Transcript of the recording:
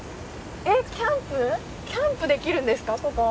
キャンプできるんですか、ここ。